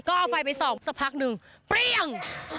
ก็เอาไฟไปส่องสักพักหนึ่งเปรี้ยง